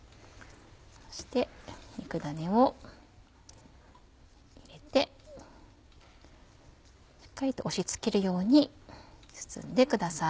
そして肉ダネを入れてしっかりと押し付けるように包んでください。